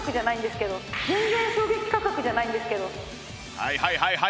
はいはいはいはい！